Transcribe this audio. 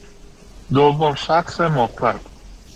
دوم شخص مفرد